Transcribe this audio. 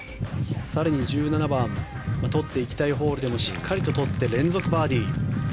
更に１７番とっていきたいホールでもしっかりととって連続バーディー。